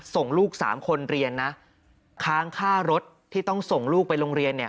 ส่งลูกสามคนเรียนนะค้างค่ารถที่ต้องส่งลูกไปโรงเรียนเนี่ย